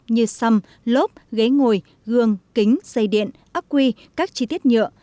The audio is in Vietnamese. như xăm lốp ghế ngồi gương kính dây điện ấp quy các chi tiết nhựa